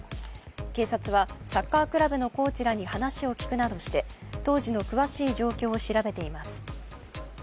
警察はサッカークラブのコーチらに話を聞くなどして当時の詳しい状況を調べています。